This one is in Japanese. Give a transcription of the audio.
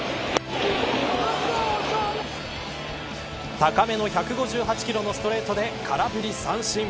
高めの１５８キロのストレートで空振り三振。